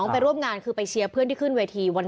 ไปร่วมงานคือไปเชียร์เพื่อนที่ขึ้นเวที